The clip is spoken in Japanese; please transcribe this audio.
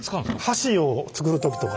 橋を作る時とか。